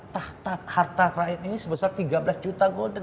tahta kerajaan ini sebesar tiga belas juta golden